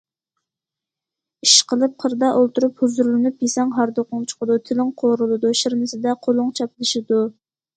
ئىشقىلىپ قىردا ئولتۇرۇپ ھۇزۇرلىنىپ يېسەڭ ھاردۇقۇڭ چىقىدۇ، تىلىڭ قورۇلىدۇ، شىرنىسىدە قولۇڭ چاپلىشىدۇ.